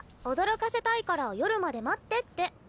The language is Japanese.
「驚かせたいから夜まで待って」って。